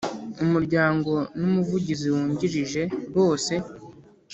umuryango n Umuvugizi wungirije bose